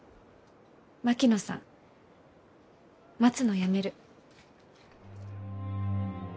槙野さん待つのやめる。